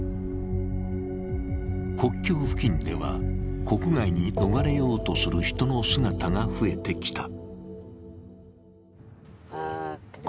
国境付近では、国外に逃れようとする人の姿が増えてきた。